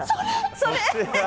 それ？